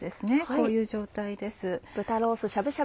こういう状態です。